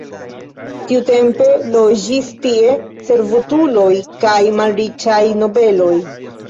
Tiutempe loĝis tie servutuloj kaj malriĉaj nobeloj.